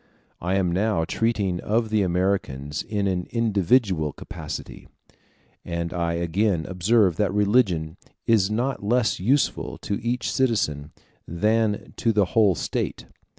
I am now treating of the Americans in an individual capacity, and I again observe that religion is not less useful to each citizen than to the whole State.